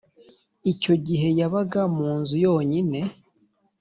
icyo gihe yabaga mu nzu yonyine